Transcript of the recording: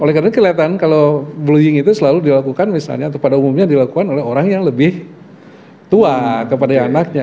oleh karena kelihatan kalau bullying itu selalu dilakukan misalnya atau pada umumnya dilakukan oleh orang yang lebih tua kepada anaknya